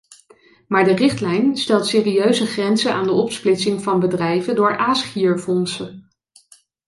Maar de richtlijn stelt serieuze grenzen aan de opsplitsing van bedrijven door aasgierfondsen.